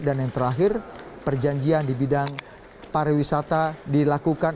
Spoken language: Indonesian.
dan yang terakhir perjanjian di bidang pariwisata dilakukan